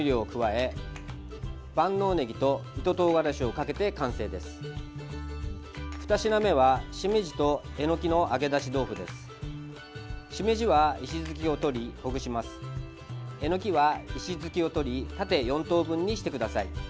えのきは石突きを取り縦４等分にしてください。